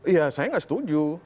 ya saya nggak setuju